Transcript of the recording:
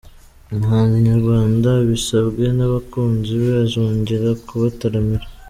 Umuhanzi nyarwanda abisabwe n’abakunzi be azongera kubataramira